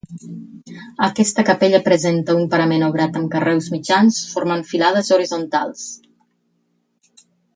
Aquesta capella presenta un parament obrat amb carreus mitjans, formant filades horitzontals.